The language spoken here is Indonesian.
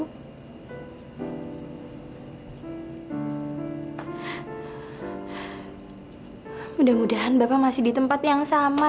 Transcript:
semoga bapak masih di tempat yang sama